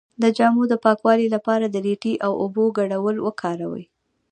د جامو د پاکوالي لپاره د ریټې او اوبو ګډول وکاروئ